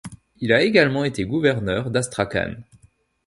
Il a également été gouverneur d’Astrakhan.